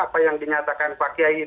apa yang dinyatakan pak kiai